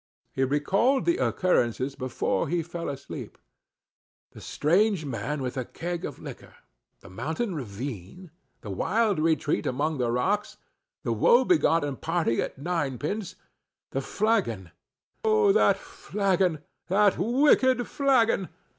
He recalled the occurrences before he fell asleep. The strange man with a keg of liquor—the mountain ravine—the wild retreat among the rocks—the woe begone party at nine pins—the flagon—"Oh! that flagon! that wicked flagon!"